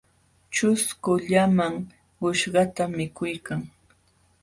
Ćhusku llaman quśhqata mikuykan.